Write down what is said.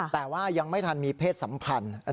แต่ว่ายังไม่ทันมีเพศสัมพันธ์